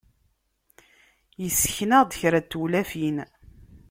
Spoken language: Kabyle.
Yessken-aɣ-d kra n tewlafin.